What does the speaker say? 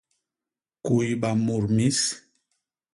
Kuiba mut mis.